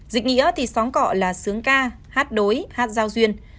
dịch nghĩa thì xóm cọ là sướng ca hát đối hát giao duyên